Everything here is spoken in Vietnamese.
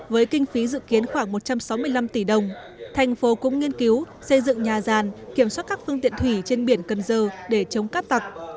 với kinh phí dự kiến khoảng một trăm sáu mươi năm tỷ đồng thành phố cũng nghiên cứu xây dựng nhà ràn kiểm soát các phương tiện thủy trên biển cần giờ để chống cát tặc